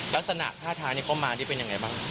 ลักษณะท่าท้านี่เขามาเป็นอย่างไรบ้าง